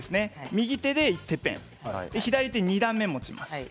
右手で、てっぺん左手は２段目を持ちます。